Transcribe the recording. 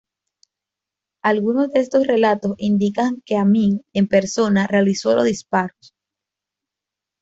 Algunos de estos relatos indican que Amín en persona realizó los disparos.